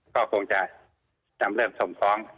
ก็คงจะนำเริ่มส่งฟ้อง